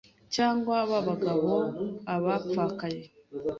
cyangwa ba bagabo abapfakaye